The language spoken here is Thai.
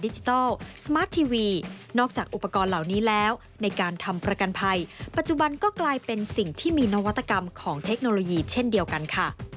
ติดตามพร้อมกันจากรายงานครับ